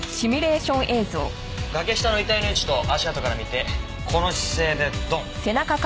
崖下の遺体の位置と足跡から見てこの姿勢でドン。